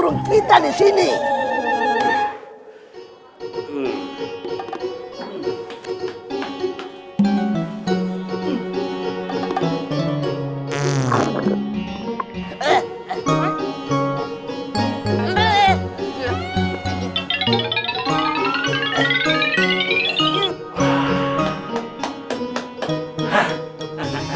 orang juga datang ngecet pokoknya